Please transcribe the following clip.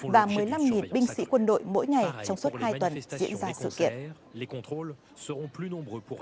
và một mươi năm binh sĩ quân đội mỗi ngày trong suốt hai tuần diễn ra sự kiện